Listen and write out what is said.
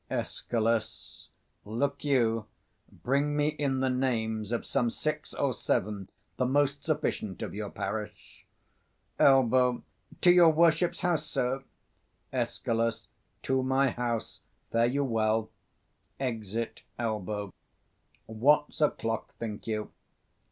Escal. Look you bring me in the names of some six or seven, the most sufficient of your parish. 255 Elb. To your worship's house, sir? Escal. To my house. Fare you well. [Exit Elbow. What's o'clock, think you?